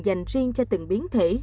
dành riêng cho từng biến thể